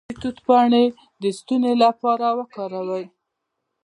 د توت پاڼې د ستوني لپاره وکاروئ